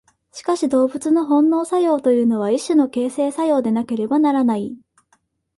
しかし動物の本能作用というのは一種の形成作用でなければならない。